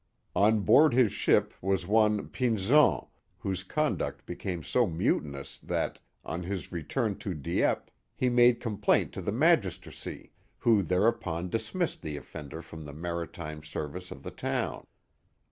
On board his ship was one Pinzon, whose conduct became so mutinous that, on his return to Dieppe, he made complaint to the magistracy, who thereupon dismissed the oflfender from the maritime ser vice of the town.